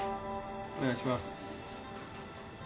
お願いします。